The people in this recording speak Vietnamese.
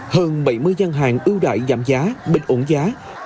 hơn bảy mươi gian hàng ưu đại giảm giá bình ổn giá